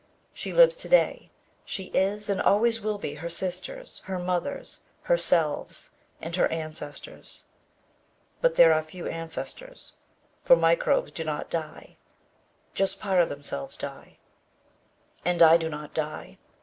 She lives today, she is and always will be her sisters, her mothers, herselves and her ancestors. But there are few ancestors, for microbes do not die just part of themselves die. And I do not die.